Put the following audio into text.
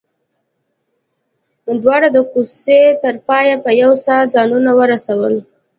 دواړو د کوڅې تر پايه په يوه ساه ځانونه ورسول.